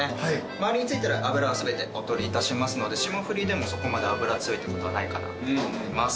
周りに付いてる脂は全てお取りいたしますので霜降りでもそこまで脂強いってことはないかなと思います。